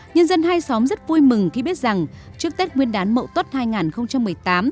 nhân dân hai xóm rất vui mừng khi biết rằng trước tết nguyên đán mậu tuất hai nghìn một mươi tám